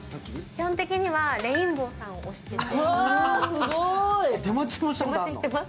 基本的にはレインボーさんを押してて。